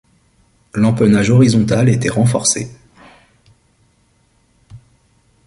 L'empennage horizontal était renforcé.